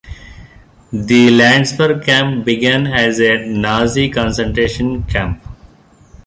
The Landsberg camp began as a Nazi concentration camp.